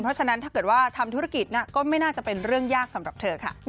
เพราะฉะนั้นถ้าเกิดว่าทำธุรกิจก็ไม่น่าจะเป็นเรื่องยากสำหรับเธอค่ะ